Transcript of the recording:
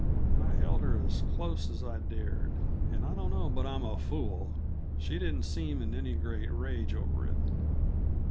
I held her as close as I dared, and I don't know but I'm a fool she didn't seem in any great rage over it.